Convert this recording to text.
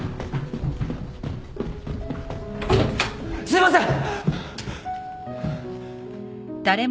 すいません！